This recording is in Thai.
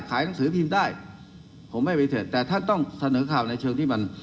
หนังสือพิมพ์ได้ผมไม่ปฏิเสธแต่ท่านต้องเสนอข่าวในเชิงที่มัน